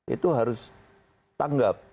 itu harus tanggap